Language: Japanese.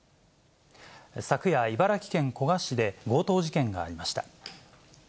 昨夜、茨城県古河市で強盗事件がありました。